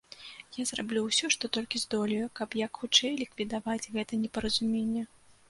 Я зраблю ўсё, што толькі здолею, каб як хутчэй ліквідаваць гэта непаразуменне.